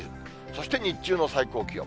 そして日中の最高気温。